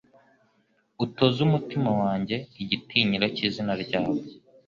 utoze umutima wanjye igitinyiro cy’izina ryawe